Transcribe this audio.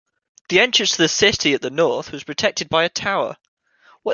The entrance to the city, at the north, was protected by a tower.